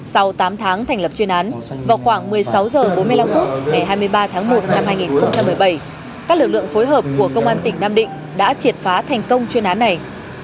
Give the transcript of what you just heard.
sau tám tháng thành lập chuyên án vào khoảng một mươi sáu h bốn mươi năm phút ngày hai mươi ba tháng một năm hai nghìn một mươi bảy các lực lượng phối hợp của công an tỉnh nam định đã triệt phá thành công chuyên án này